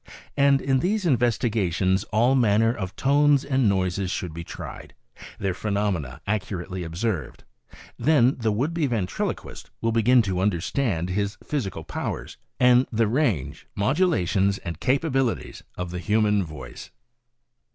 And in these investigations all manner of tones and noises should be tried, their phenomena accurately observed; then the would be ventriloquist will begin to understand his physical powers, and the range, modulations and capabilities of the human voice.